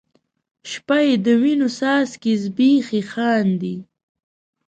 شپه یې د وینو څاڅکي زبیښي خاندي